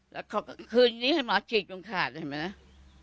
แล้วเขาก็คืนนี้ให้หมอฉีกตรงขาดเห็นไหมนะ